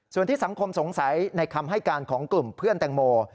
ส่วนที่สังคมสงสัยในคำให้การของกลุ่มเพื่อนแตงโม